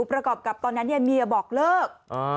ประกอบกับตอนนั้นเมียบอกเลิก